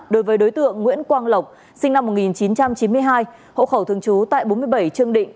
đối với đối tượng nguyễn quang lộc sinh năm một nghìn chín trăm chín mươi hai hộ khẩu thường trú tại bốn mươi bảy trương định